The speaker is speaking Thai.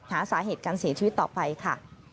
หาสาเหตุการเสียชีวิตต่อไปค่ะ